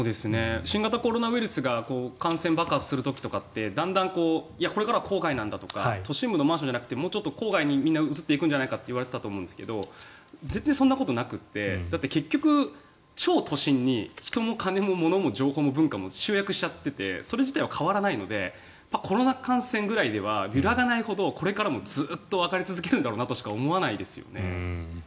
新型コロナウイルスが感染爆発する時とかってだんだんこれから郊外なんだとか都心部のマンションじゃなくてもうちょっと郊外に移っていくんじゃないかといわれていましたが絶対にそんなことなくて結局、超都心に人も金も物も情報も文化も集約しちゃっていてそれ自体は変わらないのでコロナ感染ぐらいでは揺らがないほどこれからもずっと上がり続けていくんだとしか思えないですよね。